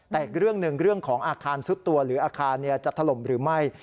แต่อีกเรื่องหนึ่งเรื่องของอาคารซุดตัวหรืออาคารจะถล่มหรือไม่